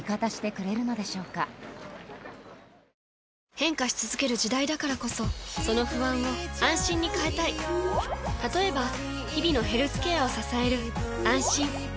変化し続ける時代だからこそその不安を「あんしん」に変えたい例えば日々のヘルスケアを支える「あんしん」